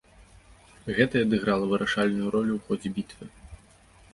Гэта і адыграла вырашальную ролю ў ходзе бітвы.